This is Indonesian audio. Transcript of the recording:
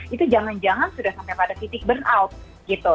itu jangan jangan sudah sampai pada titik burnout gitu